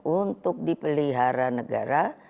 untuk dipelihara negara